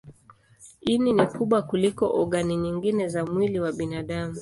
Ini ni kubwa kuliko ogani nyingine za mwili wa binadamu.